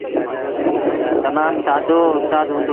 تمآم سآدو اُستآد هُݩدو۔